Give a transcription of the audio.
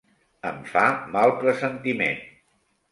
Em fa mal pressentiment!